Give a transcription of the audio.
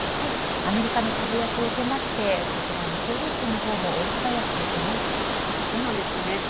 アメリカの株安を受けてこちら日経平均のほうも大幅安ですね。